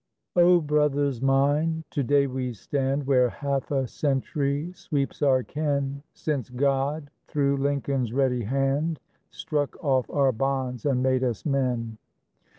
_ O brothers mine, to day we stand Where half a century sweeps our ken, Since God, through Lincoln's ready hand, Struck off our bonds and made us men.